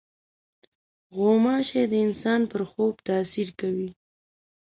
غوماشې د انسان پر خوب تاثیر کوي.